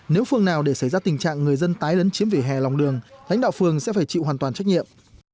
nếu phương nào để xảy ra tình trạng người dân tái lấn chiếm vỉa hè lòng đường lãnh đạo phường sẽ phải chịu hoàn toàn trách nhiệm